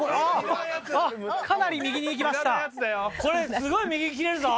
かなり右に行きました。